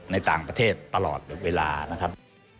ในต่างประเทศตลอดเวลานะครับ